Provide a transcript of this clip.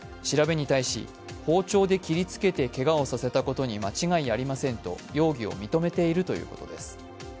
調べに対し、包丁で切りつけて、けがをさせたことに間違いありませんと容疑を認めているということです。